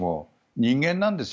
人間なんですよ。